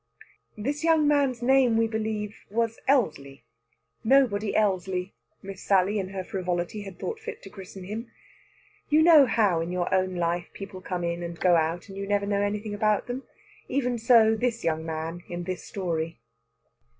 This young man's name, we believe, was Elsley Nobody Elsley, Miss Sally in her frivolity had thought fit to christen him. You know how in your own life people come in and go out, and you never know anything about them. Even so this young man in this story.